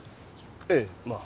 ええまあ。